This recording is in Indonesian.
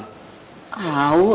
kamu gak mau pulang